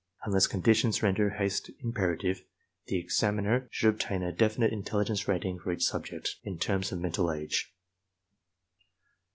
Unless conditions render haste imperative, the examiner should obtain a definite intelligence rating for each subject in terms of mental age.